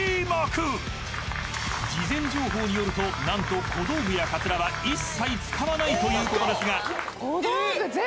［事前情報によると何と小道具やカツラは一切使わないということですが］